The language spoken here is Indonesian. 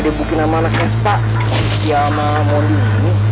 dibukin sama anaknya spa setia sama mondi ini